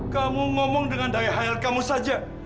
kamu ngomong dengan daya hayal kamu saja